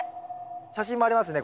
写真もありますね